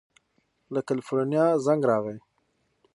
له کلیفورنیا زنګ راغی.